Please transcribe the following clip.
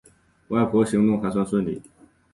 外婆行动还算顺利